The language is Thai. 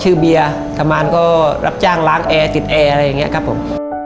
เบียร์ทำงานก็รับจ้างล้างแอร์ติดแอร์อะไรอย่างนี้ครับผม